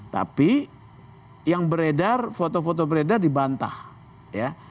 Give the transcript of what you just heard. tapi yang beredar foto foto beredar dibantah ya